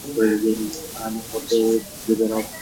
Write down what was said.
A naval engagement ensues in which the "Alma" is sunk.